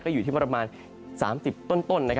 อยู่ที่ประมาณ๓๐ต้น